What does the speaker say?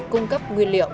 cung cấp nguyên liệu